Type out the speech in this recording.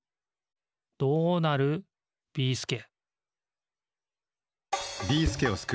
どうなる、ビーすけ